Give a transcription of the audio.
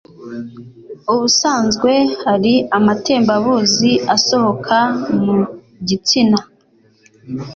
Ubusanzwe hari amatembabuzi asohoka mu gitsina